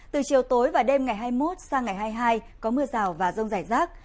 từ chiều tối và đêm ngày hai mươi một sang ngày hai mươi hai có mưa rào và rông rải rác